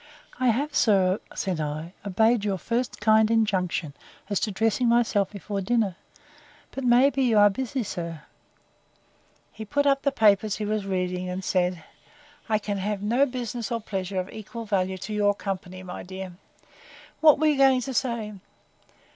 I have, sir, said I, obeyed your first kind injunction, as to dressing myself before dinner; but may be you are busy, sir. He put up the papers he was reading, and said, I can have no business or pleasure of equal value to your company, my dear. What were you going to say?